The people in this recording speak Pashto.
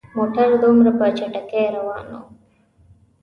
موټر دومره په چټکۍ روان وو.